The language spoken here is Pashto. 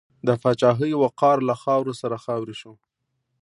د پاچاهۍ وقار له خاورو سره خاورې شو.